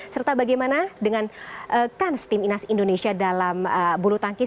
serta bagaimana dengan kan tim inas indonesia dalam bulu tangkis